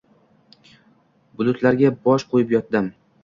Bulutlarga bosh qoʼyib yotdim